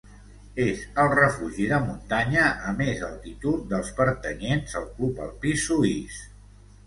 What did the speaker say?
És el refugi de muntanya a més altitud dels pertanyents al Club Alpí Suís.